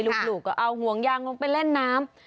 ลูกก็เอาห่วงยางลงไปเล่นน้ำ